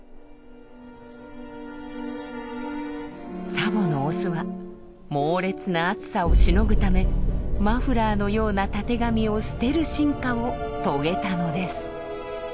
ツァボのオスは猛烈な暑さをしのぐためマフラーのようなたてがみを捨てる進化を遂げたのです。